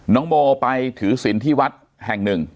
น้องโมไปถือศิลป์ที่วัดแห่งหนึ่ง